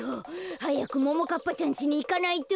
はやくももかっぱちゃんちにいかないと。